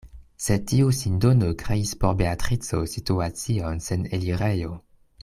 Sed tiu sindono kreis por Beatrico situacion sen elirejo.